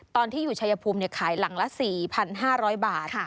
ตอนที่อยู่ชายภูมิขายหลังละ๔๕๐๐บาท